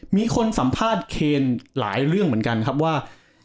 มีคนสัมภาษณ์เคนหลายเรื่องเหมือนกันครับว่า